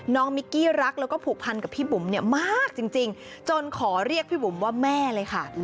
มิกกี้รักแล้วก็ผูกพันกับพี่บุ๋มเนี่ยมากจริงจนขอเรียกพี่บุ๋มว่าแม่เลยค่ะ